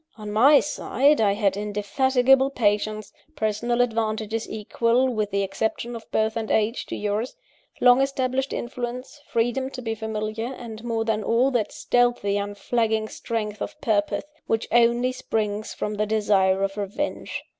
On my side, I had indefatigable patience; personal advantages equal, with the exception of birth and age, to yours: long established influence; freedom to be familiar; and more than all, that stealthy, unflagging strength of purpose which only springs from the desire of revenge.